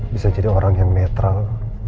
bisa jadi orang yang netral